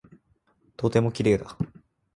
とても綺麗だ。